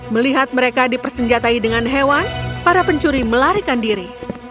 melihat mereka dipersenjatai dengan hewan para pencuri melarikan diri